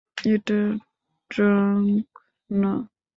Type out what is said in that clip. এটা ট্র্যাক না!